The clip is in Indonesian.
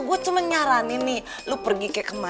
gue cuma nyarani nih lo pergi ke kembali